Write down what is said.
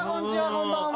こんばんは。